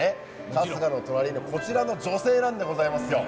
春日の隣のこちらの女性なんでございますよ。